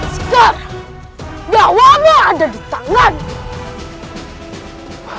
sekarang nyawamu ada di tanganmu